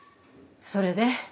それで？